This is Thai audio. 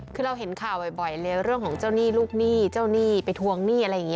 คือเราเห็นข่าวบ่อยเลยเรื่องของเจ้าหนี้ลูกหนี้เจ้าหนี้ไปทวงหนี้อะไรอย่างนี้